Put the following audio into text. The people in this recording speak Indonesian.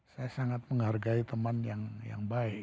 saya sangat menghargai teman yang baik